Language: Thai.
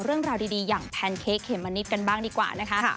เรื่องราวดีอย่างแพนเค้กเขมมะนิดกันบ้างดีกว่านะคะ